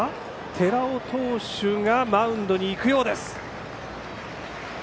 寺尾投手がマウンドに行くようです。